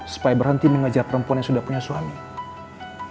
supaya berhenti mengejar perempuan yang sudah punya suami